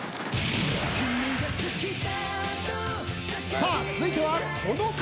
さあ続いてはこの方！